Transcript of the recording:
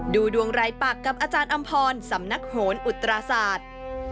ดูดวงรายปากกับอาจารย์อำพรสำนักโหนอุตราศาสตร์